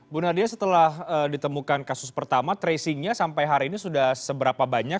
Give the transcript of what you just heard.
bu nadia setelah ditemukan kasus pertama tracingnya sampai hari ini sudah seberapa banyak